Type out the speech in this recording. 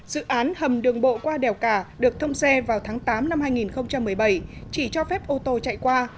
dự án hầm đường bộ qua đèo cả được thông xe vào tháng tám năm hai nghìn một mươi bảy chỉ cho phép ô tô chạy qua